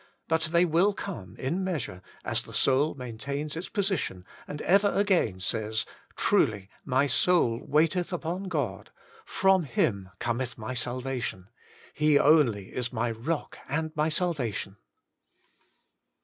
But they will come in measure as the soul maintains its position, and ever again says :* Truly my soul waiteth upon God ; from Him cometh my salvation : He only is my rock •nd my salvation.'